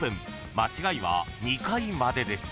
間違いは２回までです］